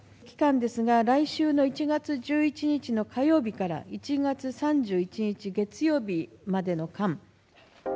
期間ですが、来週の１月１１日の火曜日から１月３１日月曜日までの間。